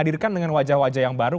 dihadirkan dengan wajah wajah yang baru